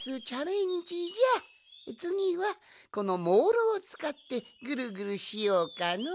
つぎはこのモールをつかってぐるぐるしようかの。